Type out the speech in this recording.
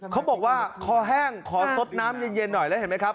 เขาบอกว่าคอแห้งขอสดน้ำเย็นหน่อยแล้วเห็นไหมครับ